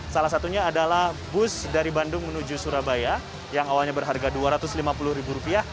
salah satunya adalah bus dari bandung menuju surabaya yang awalnya berharga rp dua ratus lima puluh